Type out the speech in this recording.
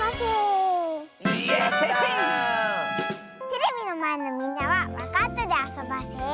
テレビのまえのみんなはわかったであそばせ。